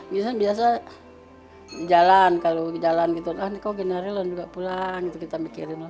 biasa jalan kalau jalan gitu ah ini kok kenapa dia belum pulang kita mikirin